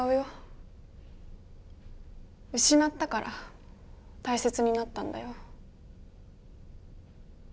失ったから大切になったんだよ。